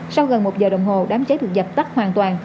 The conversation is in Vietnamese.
sau gần một giờ đồng hồ đám cháy được dập tắt hoàn toàn